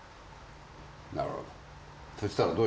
なるほど。